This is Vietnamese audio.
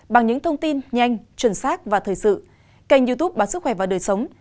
bằng những thông tin nhanh chuẩn xác và thời sự kênh youtube báo sức khỏe và đời sống